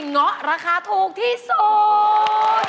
เงาะราคาถูกที่สุด